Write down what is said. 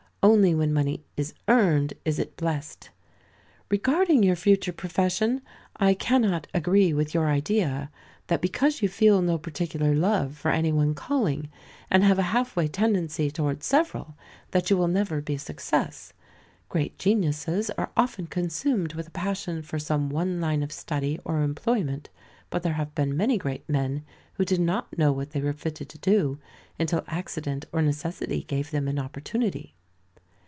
Only when money is earned is it blest. Regarding your future profession, I cannot agree with your idea that because you feel no particular love for any one calling, and have a halfway tendency toward several, that you will never be a success. Great geniuses are often consumed with a passion for some one line of study or employment, but there have been many great men who did not know what they were fitted to do until accident or necessity gave them an opportunity.